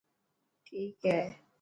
ٺيڪ هي.